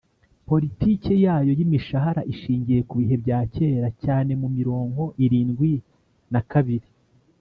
politiki yayo y imishahara ishingiye kubihe bya kera cyane muri mirongo irindwi na kabiri